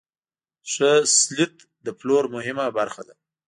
ښه سلیت د پلور مهمه برخه ده.